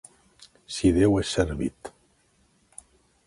Si Déu és servit.